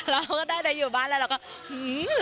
เราก็ได้ไปอยู่บ้านแล้วเราก็หื้อ